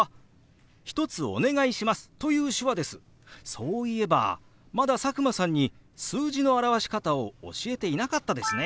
そういえばまだ佐久間さんに数字の表し方を教えていなかったですね。